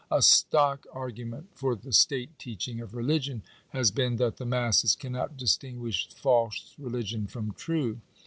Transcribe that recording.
A stock argument for the state teaching of religion has been that the masses cannot distinguish false religion from true.